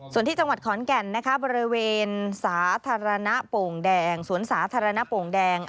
ส่วนที่จังหวัดขอนแก่นบริเวณสวนสาธารณะโป่งแดง